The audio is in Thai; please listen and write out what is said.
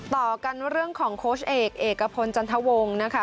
ต่อกันเรื่องของโค้ชเอกเอกพลจันทวงศ์นะคะ